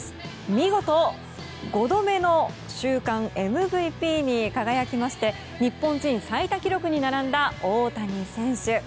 見事、５度目の週間ＭＶＰに輝きまして日本人最多記録に並んだ大谷選手。